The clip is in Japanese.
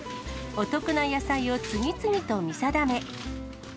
お得な野菜を次々と見定め。